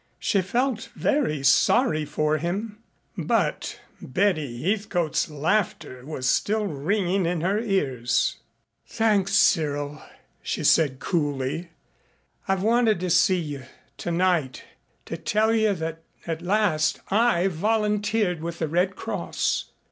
She felt very sorry for him, but Betty Heathcote's laughter was still ringing in her ears. "Thanks, Cyril," she said coolly. "I've wanted to see you tonight to tell you that at last I've volunteered with the Red Cross."